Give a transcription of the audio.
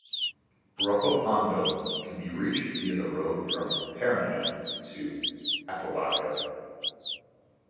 Brokopondo can be reached via the road from Paranam to Afobaka.